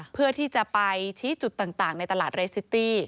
เพื่อที่จะไปชี้จุดต่างในตลาดเรซิตี้